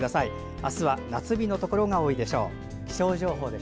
あすは夏日のところが多いでしょう。